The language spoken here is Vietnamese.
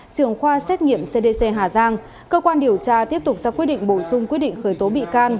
trưởng khoa xét nghiệm cdc hà giang cơ quan điều tra tiếp tục ra quy định bổ sung quy định khởi tố bị can